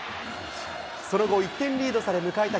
その後、１点リードされ迎えた